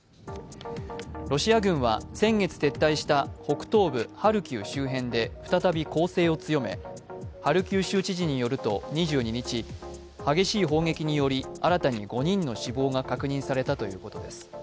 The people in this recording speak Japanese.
ロシア軍は先月撤退した北東部ハルキウ周辺で再び攻勢を強め、ハルキウ州知事によると２２日、激しい砲撃により新たに５人の死亡が確認されたということです。